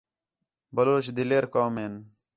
بلوچ دلیر قوم ہین